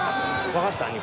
わかった。